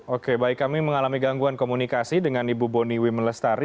oke baik kami mengalami gangguan komunikasi dengan ibu boni wimlestari